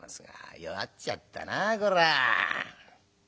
「弱っちゃったなこらぁ。